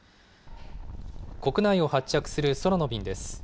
国内を発着する空の便です。